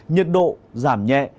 nhiệt độ giảm nhẹ